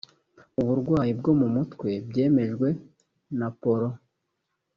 uburwayi bwo mu mutwe byemejwe na polo